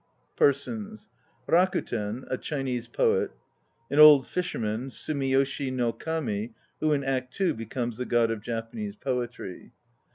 PERSONS RAKUTEN (a Chinese poet). AN OLD FISHERMAN, SUMIYOSHI NO KAMI, who in Act II be comes the God of Japanese Poetry.